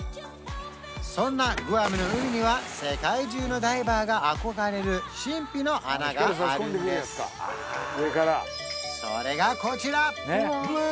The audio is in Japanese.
そんなグアムの海には世界中のダイバーが憧れる神秘の穴があるんですそれがこちら！